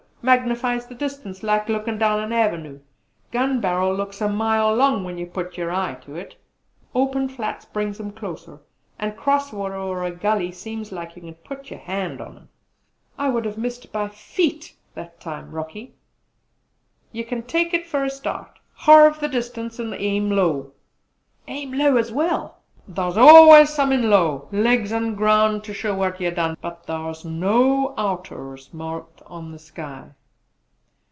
Magnifies the distance, like lookin' down an avenue! Gun barr'l looks a mile long when you put yer eye to it! Open flats brings 'em closer; and 'cross water or a gully seems like you kin put yer hand on 'em!" "I would have missed by feet that time Rocky!" "You kin take it fer a start, Halve the distance and aim low!" "Aim low, as well?" "Thar's allus somethin' low: legs, an' ground to show what you done! But thar's no 'outers' marked on the sky!"